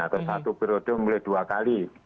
atau satu periode mulai dua kali